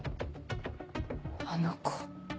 あの子？